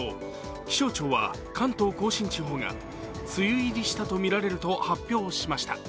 気象庁は関東甲信地方が梅雨入りしたとみられると発表しました。